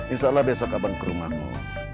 insya allah besok kapan ke rumahmu